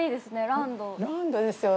ランドですよ。